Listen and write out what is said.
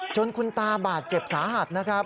จนคุณตาบาดเจ็บสาหัส